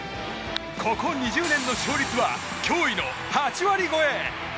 ここ２０年の勝率は驚異の８割超え。